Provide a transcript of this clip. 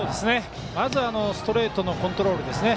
まずストレートのコントロールですね。